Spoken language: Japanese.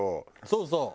そうそう。